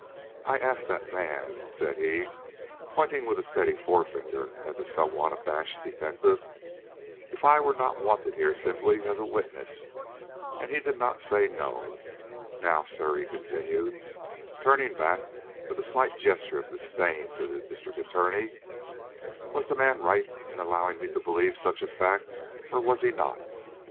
"I asked that man," said he, pointing with a steady forefinger at the somewhat abashed detective, "if I were not wanted here simply as a witness, and he did not say No. Now, sir," he continued, turning back with a slight gesture of disdain to the District Attorney, "was the man right in allowing me to believe such a fact, or was he not?